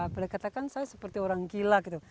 boleh katakan saya seperti orang gila gitu